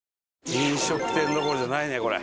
飲食店どころじゃないねこれ。